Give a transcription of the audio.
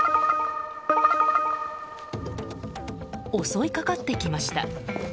襲いかかってきました。